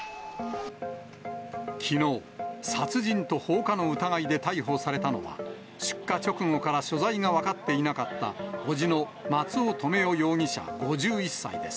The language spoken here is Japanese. きのう、殺人と放火の疑いで逮捕されたのは、出火直後から所在が分かっていなかった、伯父の松尾留与容疑者５１歳です。